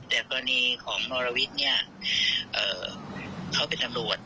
แต่ตอนนี้ของมรวมลวิทย์เขาเป็นตำรวจ